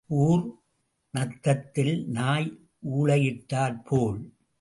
ஊர் நத்தத்தில் நாய் ஊளையிட்டாற் போல.